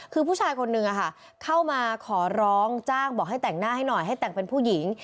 คือผู้ชายคนนึงเข้ามาขอร้องจ้างบอกให้แต่งหน้าให้หน่อยให้แต่งเป็นผู้หญิง